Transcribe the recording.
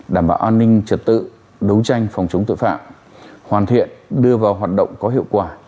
đảm bảo an ninh trật tự đấu tranh phòng chống tội phạm hoàn thiện đưa vào hoạt động có hiệu quả